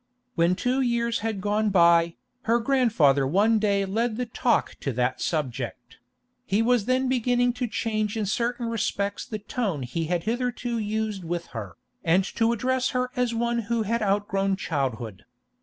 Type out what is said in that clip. When two years had gone by, her grandfather one day led the talk to that subject; he was then beginning to change in certain respects the tone he had hitherto used with her, and to address her as one who had outgrown childhood.